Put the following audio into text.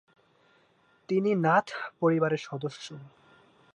তিনি নাথ পরিবারের সদস্য।